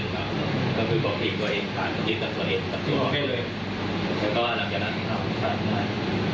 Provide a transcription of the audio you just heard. ก็สามารถรับภารกิจได้ด้วยก็สามารถรับภารกิจได้ด้วย